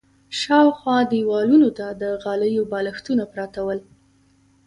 شاوخوا دېوالونو ته د غالیو بالښتونه پراته ول.